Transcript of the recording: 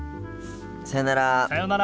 さようなら。